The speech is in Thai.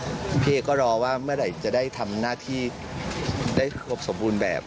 คือพี่เอกรู้ว่าเป็นเจ้าภาพตั้งแต่